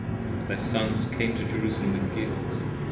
Thy Sons came to Jerusalem with gifts.